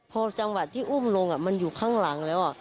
พอจังหวะที่อุ้มลงมันอยู่ข้างหลังแล้ว